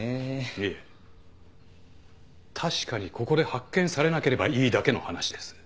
いえ確かにここで発見されなければいいだけの話です。